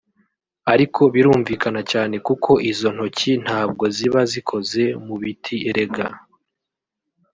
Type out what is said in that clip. Ariko birumvikana cyane kuko izo ntoki ntabwo ziba zikoze mu biti erega